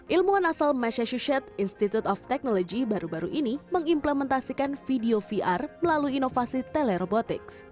ilmuwan asal mecheset institute of technology baru baru ini mengimplementasikan video vr melalui inovasi telerobotics